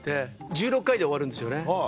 １６回で終わるんですよね